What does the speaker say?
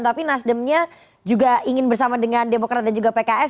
tapi nasdemnya juga ingin bersama dengan demokrat dan juga pks